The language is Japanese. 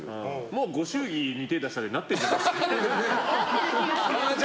もう、ご祝儀に手出したでなってるんじゃないですか。